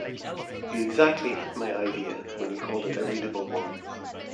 You exactly hit my idea, when you called it a readable one.